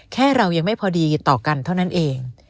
เรายังไม่พอดีต่อกันเท่านั้นเอง